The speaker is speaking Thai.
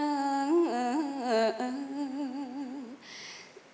อะอะอะอะ